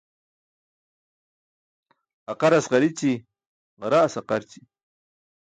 Aqaras ġarici, ġaraas aqarci.